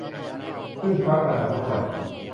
ซึ่งพรรคอนาคตใหม่